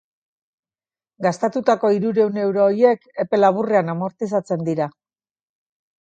Gastatutako hirurehun euro horiek epe laburrean amortizatzen dira.